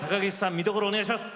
見どころをお願いします。